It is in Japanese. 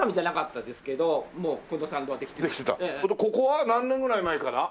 ここは何年ぐらい前から？